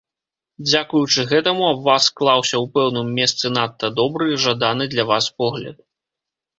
Дзякуючы гэтаму аб вас склаўся ў пэўным месцы надта добры, жаданы для вас погляд.